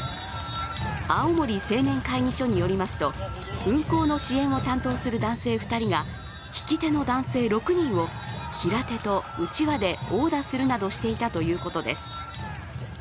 青森青年会議所によりますと運行の支援を担当する男性の２人が曳き手の男性６人を平手とうちわで殴打するなどしていたということです。